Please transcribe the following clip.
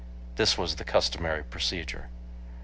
This was the customary procedure.